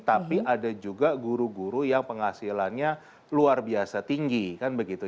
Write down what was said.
tapi ada juga guru guru yang penghasilannya luar biasa tinggi kan begitu